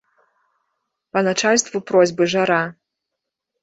Па начальству просьбы жара!